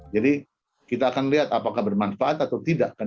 jadi kita akan lihat apakah bermanfaat atau tidak